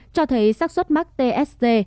cho thấy sắc xuất mắc tsd